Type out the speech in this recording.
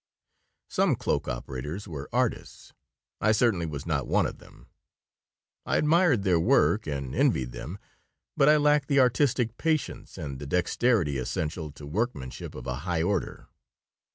Some cloak operators were artists. I certainly was not one of them. I admired their work and envied them, but I lacked the artistic patience and the dexterity essential to workmanship of a high order.